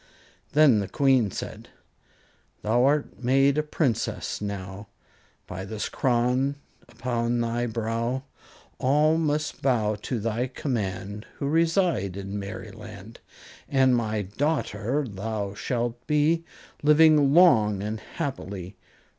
Then the Queen said: Thou art made a Princess now By this crown upon thy brow; All must bow to thy command, Who reside in Merryland; And my daughter thou shalt be, Living long and happily.